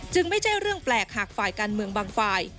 ไม่ใช่เรื่องแปลกหากฝ่ายการเมืองบางฝ่าย